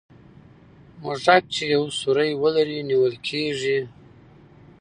موږک چي یو سوری ولري نیول کېږي.